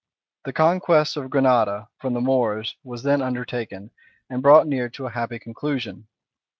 The conquest of Granada from the Moors was then undertaken, and brought near to a happy conclusion.